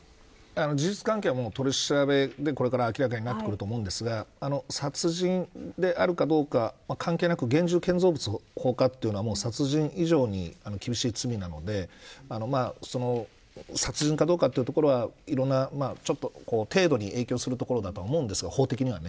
事実関係は取り調べでこれから明らかになってくると思うんですが殺人であるかどうかは関係なく現住建造物放火というのは殺人以上に厳しい罪なので殺人かどうかというところは程度に影響するところだと思うんですが法的にはね。